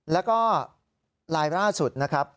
แล้วก็ลายล่าสุดนะครับ